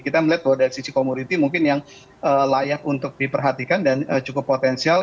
kita melihat bahwa dari sisi komoditi mungkin yang layak untuk diperhatikan dan cukup potensial